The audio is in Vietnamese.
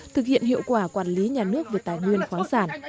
thực hiện hiệu quả quản lý nhà nước về tài nguyên khoáng sản